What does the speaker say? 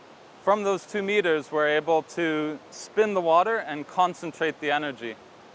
dari dua meter kami bisa mengembangkan air dan mengkoncentrasi energi